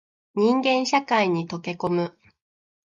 人間社会に溶け込む